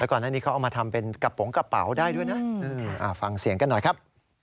ก่อนหน้านี้เขาเอามาทำเป็นกระโปรงกระเป๋าได้ด้วยนะฟังเสียงกันหน่อยครับ